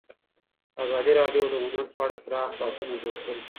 ازادي راډیو د هنر په اړه پراخ بحثونه جوړ کړي.